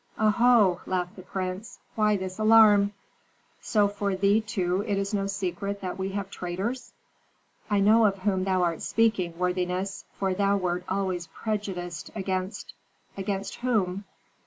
"Oho!" laughed the prince, "why this alarm? So for thee, too, it is no secret that we have traitors?" "I know of whom thou art speaking, worthiness, for thou wert always prejudiced against " "Against whom?"